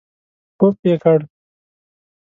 پووووووفففف یې کړ.